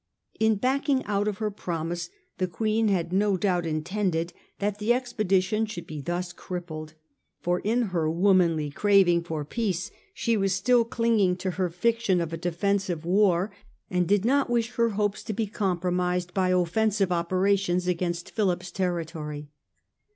In backing out of her promise the Queen had no doubt intended that the expedition should be thus crippled, for in her womanly craving for peace she was still clinging to her fiction of a defensive war and did not XII AT CORUNNA i8i wish her hopes to be compromised by offensive opera tions against Philip's territory.